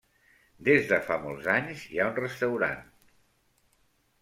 Des de fa molts anys hi ha un restaurant.